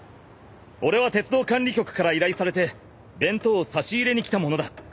俺は鉄道管理局から依頼されて弁当を差し入れに来た者だ。